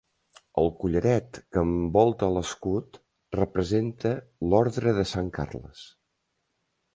El collaret que envolta l'escut representa l'Ordre de Sant Carles.